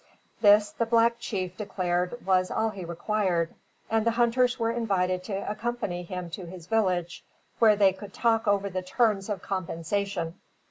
This the black chief declared was all he required, and the hunters were invited to accompany him to his village, where they could talk over the terms of compensation.